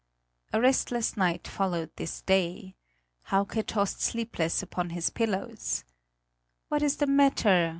A restless night followed this day. Hauke tossed sleepless upon his pillows. "What is the matter?"